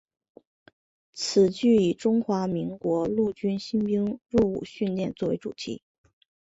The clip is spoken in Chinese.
此剧以中华民国陆军新兵入伍训练作为主题。